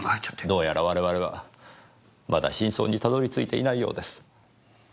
どうやら我々はまだ真相にたどり着いていないようです。